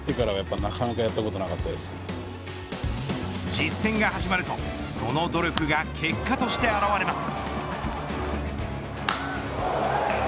実戦が始まると、その努力が結果として表れます。